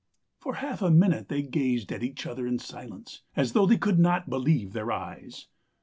... For half a minute they gazed at each other in silence, as though they could not believe their eyes.